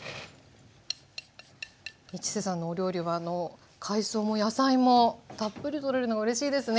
市瀬さんのお料理は海藻も野菜もたっぷり取れるのがうれしいですね。